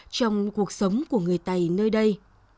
trong cuộc sống của người tây nơi đây